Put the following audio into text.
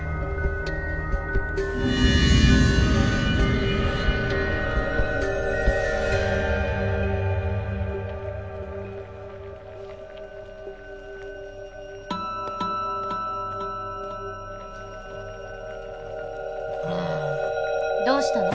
うんどうしたの？